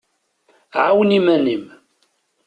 ɛawen iman-im.